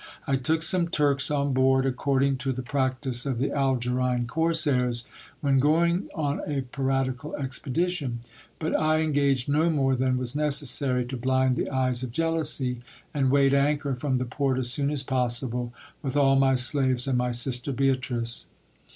I took some Turks on board, according to the practice of the Algerine corsairs when going on a piratical expedition : but I engaged no more than was necessary to blind the eyes of jealousy, and weighed anchor from the port as soon as possible, with all my slaves and my sister Beatrice.